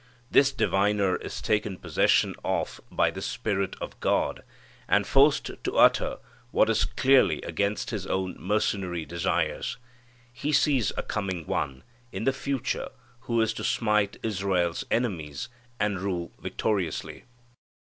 This diviner is taken possession of by the Spirit of God, and forced to utter what is clearly against his own mercenary desires. He sees a coming One, in the future, who is to smite Israel's enemies and rule victoriously.